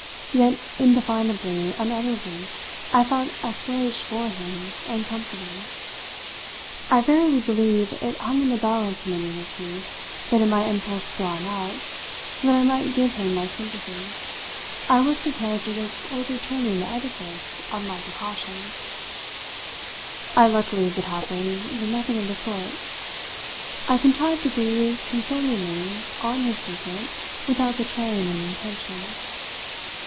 yet indefinably, unutterably, I felt assuaged for him and comforted. I verily believe it hung in the balance a minute or two that in my impulse to draw him out, so that I might give him my sympathy, I was prepared to risk overturning the edifice of my precautions. I luckily, as it happened, did nothing of the sort; I contrived to breathe consolingly on his secret without betraying an intention.